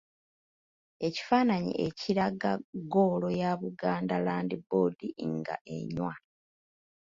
Ekifaananyi ekiraga ggoolo ya Buganda Land Board nga enywa.